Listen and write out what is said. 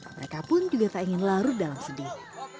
mereka pun juga tak ingin larut dalam sedih